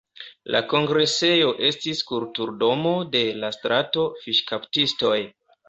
La kongresejo estis Kulturdomo de la Strato Fiŝkaptistoj.